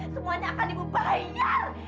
semuanya akan ibu bayar